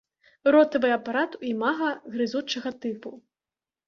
Ротавы апарат у імага грызучага тыпу.